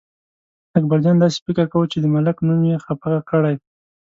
اکبرجان داسې فکر کاوه چې د ملک نوم یې خپه کړی.